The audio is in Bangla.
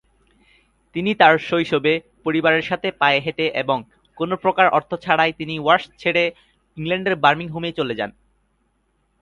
তিনি তার শৈশবে পরিবারের সাথে পায়ে হেঁটে এবং কোনো প্রকার অর্থ ছাড়াই তিনি ওয়ারশ ছেড়ে ইংল্যান্ডের বার্মিংহামে চলে যান।